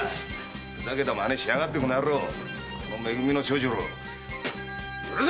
ふざけた真似しやがってこの野郎このめ組の長次郎許さねえ！